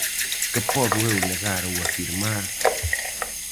Que podo eu negar ou afirmar?